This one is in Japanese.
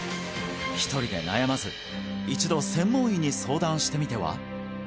１人で悩まず一度専門医に相談してみては？